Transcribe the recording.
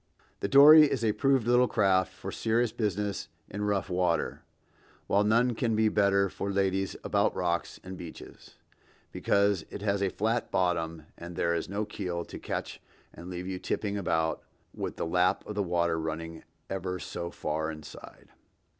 The dory is a proved little craft for serious business in rough water, while none can be better for ladies about rocks and beaches; because it has a flat bottom and there is no keel to catch and leave you tipping about with the lap of the water running ever so far inside.